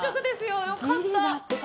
よかった。